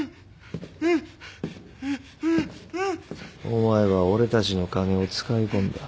お前は俺たちの金を使い込んだ。